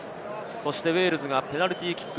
そしてウェールズがペナルティーキック。